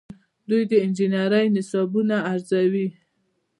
دوی د انجنیری نصابونه ارزوي.